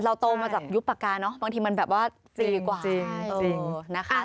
เราโตมาจากยุคปากกาเนอะบางทีมันแบบว่าจริงกว่า